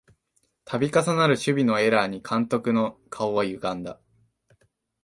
たび重なる守備のエラーに監督の顔はゆがんだ